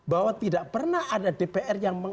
bahwa tidak pernah ada dpr yang